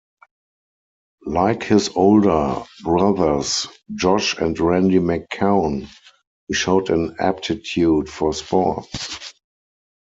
Like his older brothers Josh and Randy McCown, he showed an aptitude for sports.